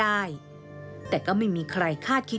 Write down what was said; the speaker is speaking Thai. ทีมข่าวของเรานำเสนอรายงานพิเศษ